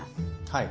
はい。